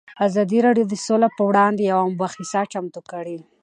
ازادي راډیو د سوله پر وړاندې یوه مباحثه چمتو کړې.